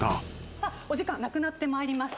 さあお時間なくなってまいりました。